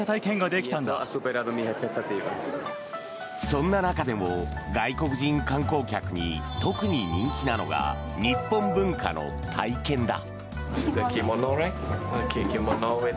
そんな中でも外国人観光客に特に人気なのが日本文化の体験だ。